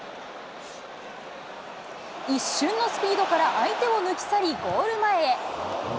一瞬のスピードから相手を抜き去り、ゴール前へ。